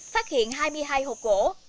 phát hiện hai mươi hai hộp gỗ